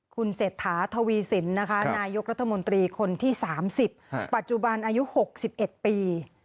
คุณเศรษฐาทวีสินนะคะนายกรัฐมนตรีคนที่๓๐ปัจจุบันอายุ๖๑ปี